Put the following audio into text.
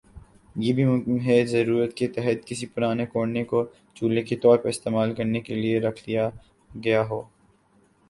یہ بھی ممکن ہے کہ ضرورت کے تحت کسی پرانے کوزے کو چولہے کے طور پر استعمال کرنے کے لئے رکھ لیا گیا ہو